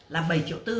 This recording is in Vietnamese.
là bảy triệu tư